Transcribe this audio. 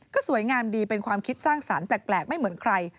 ก็สวยงามดีเป็นความคิดสร้างสรรค์แปลกไม่เหมือนใคร